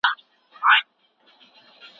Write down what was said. پوهانو پرېکړه وکړه چي دا علوم سره نږدې دي.